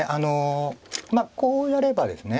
こうやればですね